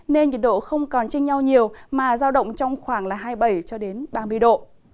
nên nhiệt độ không còn chênh nhau nhiều mà giao động trong khoảng hai mươi bảy ba mươi độ